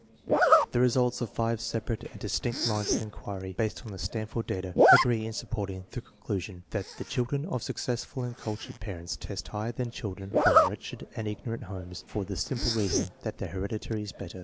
The results of five separate and distinct lines of inquiry based on the Stanford data agree in supporting the conclu sion that the children of successful and cultured parents test higher than children from wretched and ignorant homes for the simple reason that their heredity is better.